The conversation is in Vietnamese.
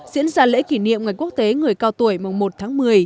diễn ra lễ kỷ niệm ngày quốc tế người cao tuổi mùng một tháng một mươi